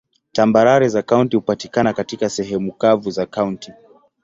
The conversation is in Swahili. Tambarare za kaunti hupatikana katika sehemu kavu za kaunti.